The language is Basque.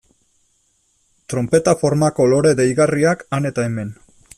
Tronpeta formako lore deigarriak han eta hemen.